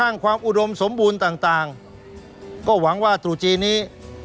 ข้างความอุดมสมบูรณ์ต่างก็หวังว่าตู่จีนนี้